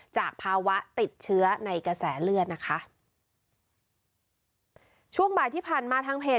จากภาวะติดเชื้อในกระแสเลือดนะคะช่วงบ่ายที่ผ่านมาทางเพจ